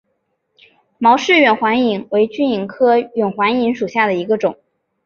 毛氏远环蚓为巨蚓科远环蚓属下的一个种。